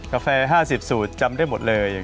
กาแฟ๕๐สูตรจำได้หมดเลย